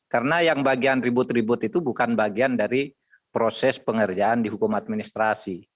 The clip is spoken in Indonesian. karena yang bagian ribut ribut itu bukan bagian dari proses pengerjaan di hukum administrasi